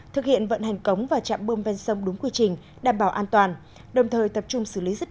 thực hiện vận hành cống và chạm bơm ven sông đúng quy trình đảm bảo an toàn